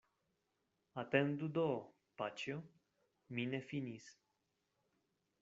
Atendu do, paĉjo, mi ne finis.